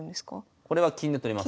これは金で取ります。